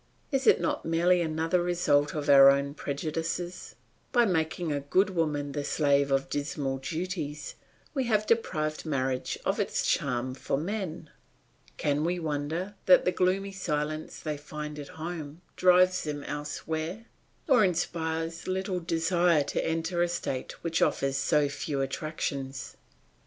Is it not merely another result of our own prejudices? By making good women the slaves of dismal duties, we have deprived marriage of its charm for men. Can we wonder that the gloomy silence they find at home drives them elsewhere, or inspires little desire to enter a state which offers so few attractions?